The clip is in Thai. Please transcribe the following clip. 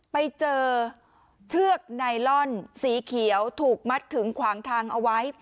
ไปเจอเชือกไนลอนสีเขียวถูกมัดขึงขวางทางเอาไว้